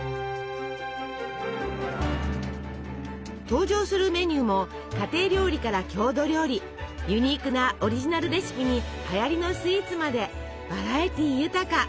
登場するメニューも家庭料理から郷土料理ユニークなオリジナルレシピにはやりのスイーツまでバラエティー豊か。